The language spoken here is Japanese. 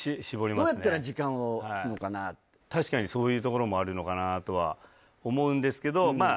どうやったら時間を確かにそういうところもあるのかなとは思うんですけどまあ